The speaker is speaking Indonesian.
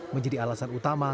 menjadi alasan utama